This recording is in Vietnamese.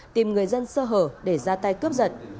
tìm người dân sơ hở để ra tay cướp giật